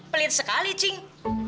pelit sekali cing